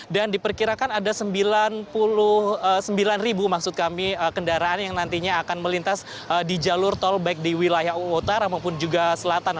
dan diperkirakan ada sembilan puluh sembilan ribu maksud kami kendaraan yang nantinya akan melintas di jalur tol baik di wilayah utara maupun juga selatan